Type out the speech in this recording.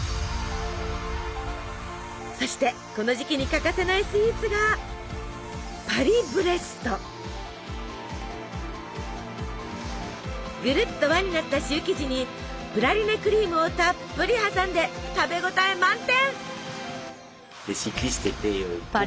そしてこの時期に欠かせないスイーツがぐるっと輪になったシュー生地にプラリネクリームをたっぷり挟んで食べ応え満点！